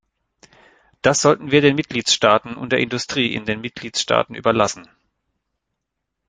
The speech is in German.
Das sollten wir den Mitgliedstaaten und der Industrie in den Mitgliedstaaten überlassen.